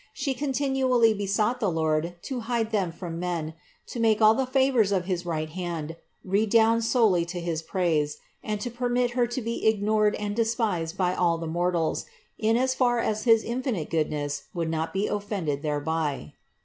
She continually besought the Lord to hide them from men, to make all the favors of his right hand redound solely to his praise, and to permit Her to be ignored and despised by all the mortals, in as far as his infinite goodness would not be offended thereby.